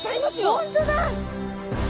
本当だ！